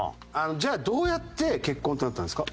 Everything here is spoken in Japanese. じゃあどうやって結婚ってなったんですか？